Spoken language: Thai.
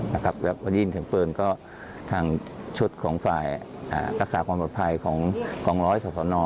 แล้วพอได้ยินเสียงปืนก็ทางชุดของฝ่ายรักษาความปลอดภัยของกองร้อยศาสนา